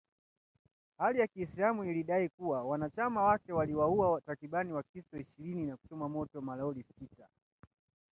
Hali ya kiislamu ilidai kuwa wanachama wake waliwauwa takribani wakristo ishirini na kuchoma moto malori sita